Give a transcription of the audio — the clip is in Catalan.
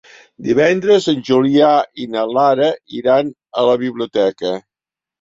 Divendres en Julià i na Lara iran a la biblioteca.